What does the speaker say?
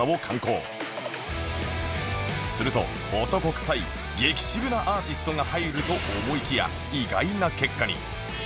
すると男臭い激渋なアーティストが入ると思いきや意外な結果に